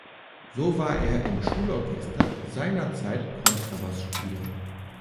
So war er im Schulorchester seinerzeit Kontrabass-Spieler.